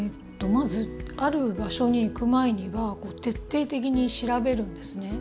まずある場所に行く前には徹底的に調べるんですね。